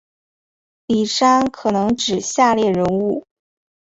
李珊可能指下列人物